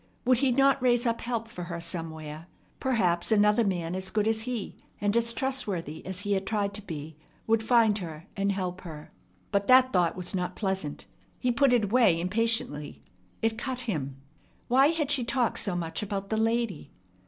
Would He not raise up help for her somewhere? Perhaps another man as good as he, and as trustworthy as he had tried to be, would find her and help her. But that thought was not pleasant. He put it away impatiently. It cut him. Why had she talked so much about the lady?